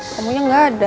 namanya tidak ada